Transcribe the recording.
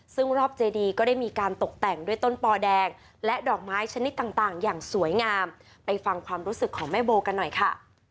ซึ่งรอบเจดีก็ได้มีการตกแต่งด้วยต้นปอแดงและดอกไม้ชนิดต่างอย่างสวยงามไปฟังความรู้สึกของแม่โบกันหน่อยค่ะ